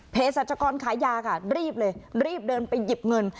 สัจกรขายยาค่ะรีบเลยรีบเดินไปหยิบเงิน